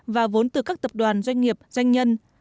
và vốn từ các tập đoàn doanh nghiệp doanh nhân